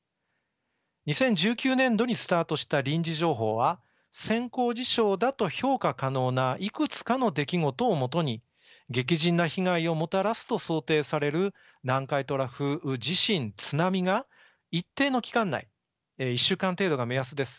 ２０１９年度にスタートした臨時情報は先行事象だと評価可能ないくつかの出来事を基に激甚な被害をもたらすと想定される南海トラフ地震津波が一定の期間内１週間程度が目安です